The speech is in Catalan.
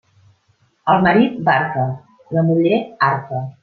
Al marit, barca; la muller, arca.